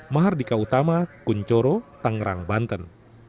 mahardika utama kunchoro tangerang banten